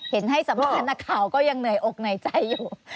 เห็นให้สำคัญหน้าข่าวก็ยังเหนื่อยอกในใจอยู่